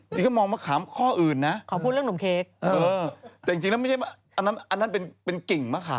จริงก็มองมะขามข้ออื่นนะเออเออจริงแล้วไม่ใช่อันนั้นเป็นกิ่งมะขาม